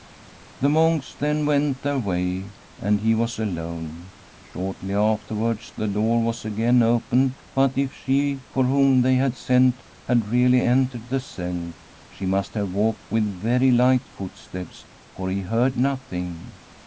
The monks then went their way, and he was alone. Shortly afterwards the door was again opened, but if she for whom they had sent had really entered the cell, she must have walked with very light footsteps, for he heard nothing.